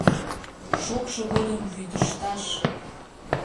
Шокшо годым вӱдыжташ!